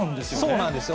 そうなんですよ。